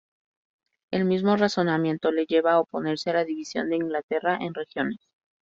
El mismo razonamiento le lleva a oponerse a la división de Inglaterra en regiones.